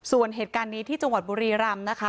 ส่วนเหตุการณ์นี้ที่จังหวัดบุรีรำนะคะ